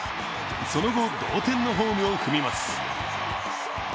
その後、同点のホームを踏みます。